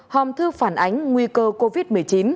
hòm thư phản ánh nguy cơ covid một mươi chín